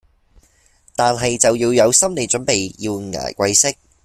但係就要有心理準備要捱貴息